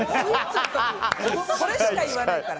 それしか言わないから。